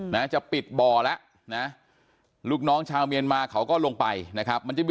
นะจะปิดบ่อละลูกน้องชาวเมียนมาเขาก็ลงไปนะครับมันจะมี